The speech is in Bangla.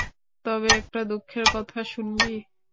তবে, একটা দুঃখের কথা শুনবি?